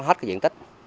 hết cái diện tích